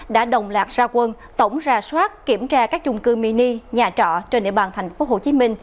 đã đồng lạc ra quân tổng ra soát kiểm tra các chung cư mini nhà trọ trên địa bàn tp hcm